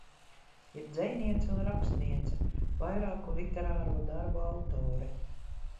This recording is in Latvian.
Ir dzejniece un rakstniece, vairāku literāro darbu autore.